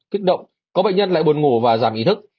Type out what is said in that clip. kích động có bệnh nhân lại buồn ngủ và giảm ý thức